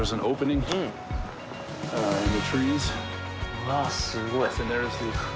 うわすごい。